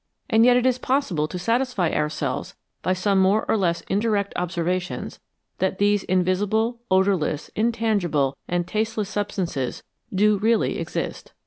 And yet it is possible to satisfy ourselves by some more or less indirect observations that these invisible, odourless, in tangible, and tasteless substances do really exist.